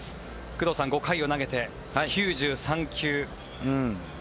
工藤さん５回を投げて９３球。